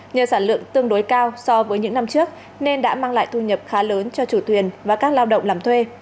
nhờ sản lượng tương đối cao so với những năm trước nên đã mang lại thu nhập khá lớn cho chủ thuyền và các lao động làm thuê